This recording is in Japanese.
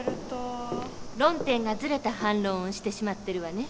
論点がずれた反論をしてしまってるわね。